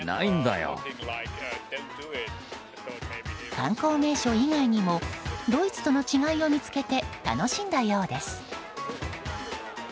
観光名所以外にもドイツとの違いを見つけて楽しんだようです。